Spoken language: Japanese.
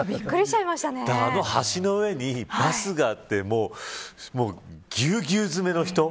あの橋の上にバスがあってぎゅうぎゅう詰めの人。